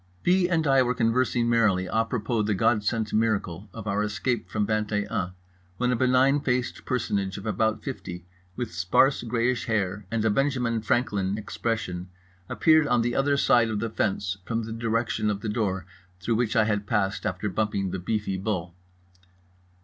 B. and I were conversing merrily à propos the God sent miracle of our escape from Vingt et Un, when a benign faced personage of about fifty with sparse greyish hair and a Benjamin Franklin expression appeared on the other side of the fence, from the direction of the door through which I had passed after bumping the beefy bull.